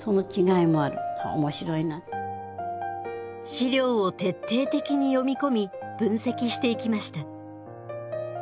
史料を徹底的に読み込み分析していきました。